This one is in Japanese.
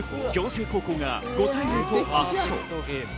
暁星高校が５対０と圧勝。